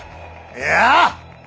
いや。